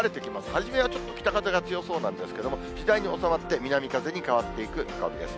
初めはちょっと北風が強そうなんですけども、次第に収まって、南風に変わっていく見込みです。